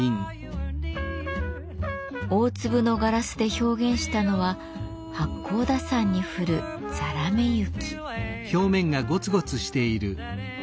大粒のガラスで表現したのは八甲田山に降るザラメ雪。